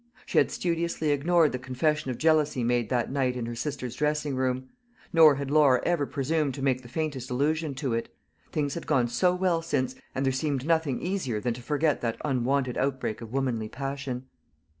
She had studiously ignored the confession of jealousy made that night in her sister's dressing room; nor had Laura ever presumed to make the faintest allusion to it. Things had gone so well since, and there seemed nothing easier than to forget that unwonted outbreak of womanly passion.